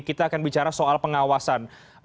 kita akan bicara soal pengawasan